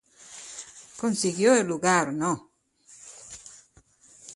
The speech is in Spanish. Consiguió el lugar No.